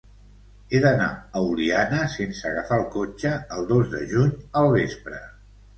He d'anar a Oliana sense agafar el cotxe el dos de juny al vespre.